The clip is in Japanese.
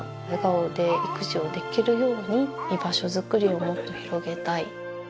笑顔で育児をできるように居場所づくりをもっと広げたい。